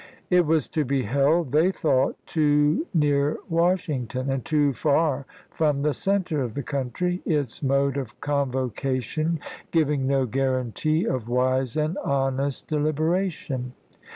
It was to be held, they thought, too near Washington and too far from the center of the country ; its mode of convocation giv ing no guarantee of wise and honest deliberation.